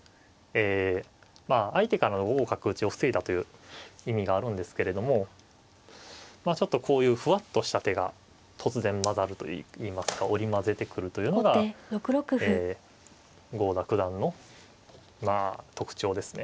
まあ相手からの５五角打を防いだという意味があるんですけれどもちょっとこういうふわっとした手が突然交ざるといいますか織り交ぜてくるというのが郷田九段のまあ特徴ですね。